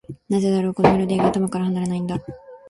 なぜだろう、このメロディーが頭から離れないんだ。